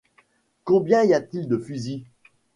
Combien y a-t-il de fusils ?